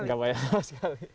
nggak bayar sama sekali